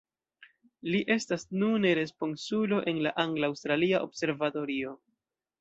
Li estas nune responsulo en la Angla-Aŭstralia Observatorio.